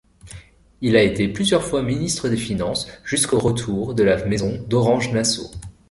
Il a été plusieurs fois ministre des Finances jusqu'au retour de la maison d'Orange-Nassau.